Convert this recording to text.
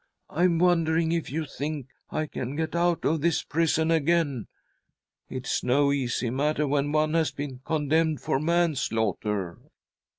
" I am wondering if you think I can get out of this prison again ; it's no easy matter when one has been condemned for manslaughter."